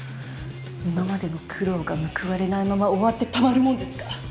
今までの苦労が報われないまま終わってたまるもんですか！